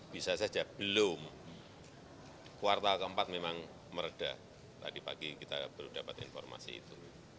bisa saja belum kuartal keempat memang meredah tadi pagi kita baru dapat informasi itu